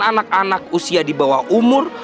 anak anak usia di bawah umur